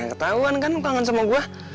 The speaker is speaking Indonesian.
nah ketauan kan lo kangen sama gue